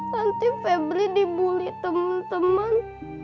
nanti febri dibully temen temen